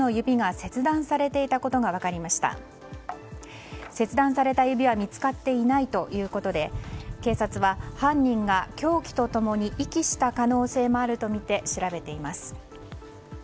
切断された指は見つかっていないということで警察は犯人が凶器と共に遺棄した可能性もあるとみて調べています。